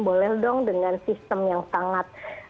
boleh dong dengan sistem yang sangat